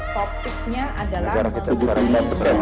topiknya adalah mencari informasi yang berbeda